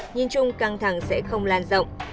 năng thẳng sẽ không lan rộng